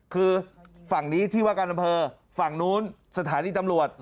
คือฝั่งนี้ที่ว่าการอำเภอฝั่งนู้นสถานีตำรวจ